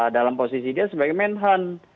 dalam posisi dia sebagai menhan